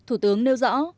thủ tướng nêu rõ